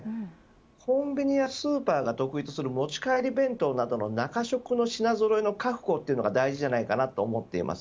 コンビニやスーパーが独立する持ち帰り弁当などの中食の品ぞろえの確保というのが大事だと思います。